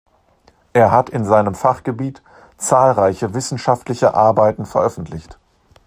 Er hat in seinem Fachgebiet zahlreiche wissenschaftliche Arbeiten veröffentlicht.